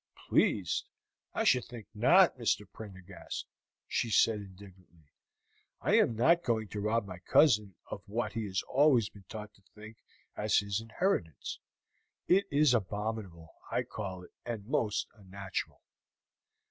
"Pleased! I should think not, Mr. Prendergast," she said indignantly. "I am not going to rob my cousin of what he has always been taught to think as his inheritance. It is abominable, I call it, and most unnatural."